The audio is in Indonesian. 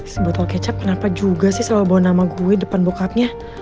si botol kecap kenapa juga sih selalu bawa nama gue depan bokapnya